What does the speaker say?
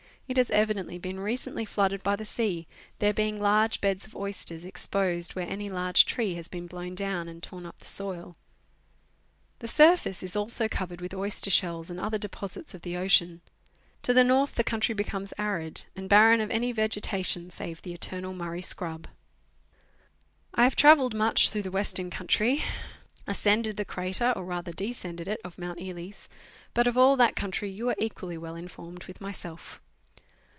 It has evidently been recently flooded by the sea, there being large beds of oysters exposed where any large tree has been blown down and torn up the soil. The surface is also covered with oyster shells and other deposits of the ocean. To the north the country becomes arid, and barren of any vegetation save the eternal Murray scrub. I have travelled much through the Western country, ascended the crater (or rather descended it) of Mount Eeles ; but of all that country you are equally well informed with myself.